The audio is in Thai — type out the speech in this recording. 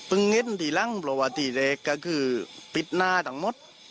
พึงเห็นที่หลังเพราะว่าที่เล็กก็คือปิดหน้าทั้งหมด